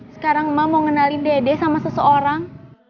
sekarang emak mau kenali dede sama seseorang